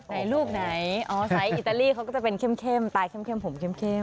ไหนลูกไหนอ๋อสายอิตาลีเขาก็จะเป็นเข้มตายเข้มผมเข้ม